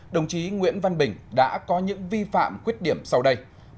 đồng chí nguyễn văn bình đã có những vi phạm khuyết điểm sau đây